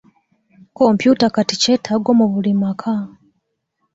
Kompyuta kati kyetaago mu buli maka.